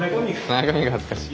中身が恥ずかしい。